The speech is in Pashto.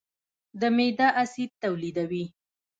معده اسید تولیدوي.